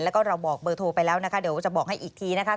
แล้วก็เราบอกเบอร์โทรไปแล้วนะคะเดี๋ยวจะบอกให้อีกทีนะคะ